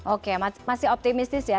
oke masih optimistis ya